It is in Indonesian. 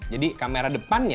jadi kamera depannya